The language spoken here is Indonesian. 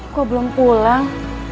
kok belum pulang